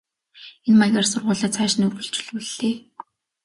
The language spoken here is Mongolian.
Энэ маягаар сургуулиа цааш нь үргэлжлүүллээ.